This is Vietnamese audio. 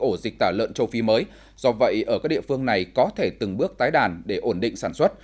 ổ dịch tả lợn châu phi mới do vậy ở các địa phương này có thể từng bước tái đàn để ổn định sản xuất